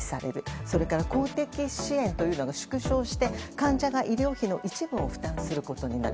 それから公的支援というのが縮小して患者が医療費の一部を負担することになる。